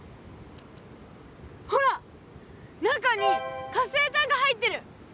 ほら中に活性炭が入ってる！